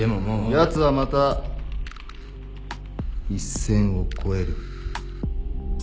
やつはまた一線を越える。